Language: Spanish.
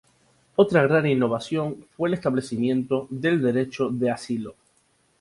Otra gran innovación fue el establecimiento del derecho de asilo.